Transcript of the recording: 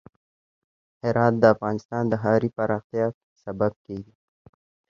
هرات د افغانستان د ښاري پراختیا سبب کېږي.